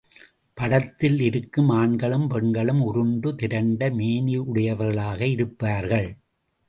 படத்தில் இருக்கும் ஆண்களும், பெண்களும் உருண்டு திரண்ட மேனியுடையவர்களாக இருப்பார்கள்.